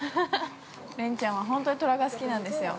◆恋ちゃんは、本当に虎が好きなんですよ。